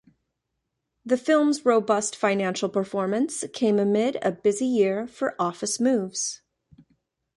The firm's robust financial performance came amid a busy year for office moves.